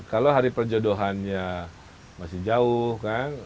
karena perjodohannya masih jauh kan